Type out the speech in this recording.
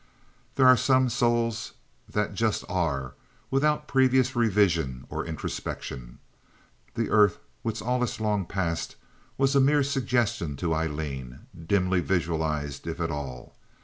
There are some souls that just are, without previous revision or introspection. The earth with all its long past was a mere suggestion to Aileen, dimly visualized if at all.